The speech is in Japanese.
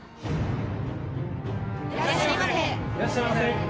いらっしゃいませ。